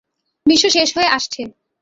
বিশ্ব শেষ হয়ে আসছে।